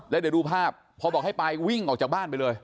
แล้วเดี๋ยวดูภาพพอบอกให้ไปวิ่งออกจากบ้านไปเลย